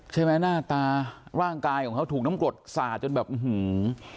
หน้าตาร่างกายของเขาถูกน้ำกรดสาดจนแบบอื้อหือ